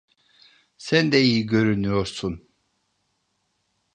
Sen de iyi görünüyorsun.